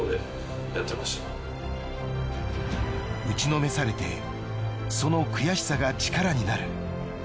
打ちのめされてその悔しさが力になる。